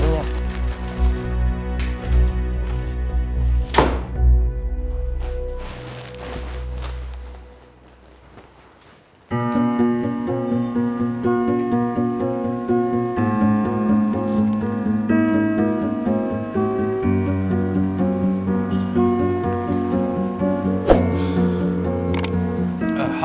di satu dua